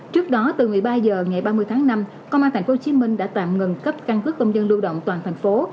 trước đó từ một mươi ba h ngày ba mươi tháng năm công an tp hcm đã tạm ngừng cấp căn cước công dân lưu động toàn thành phố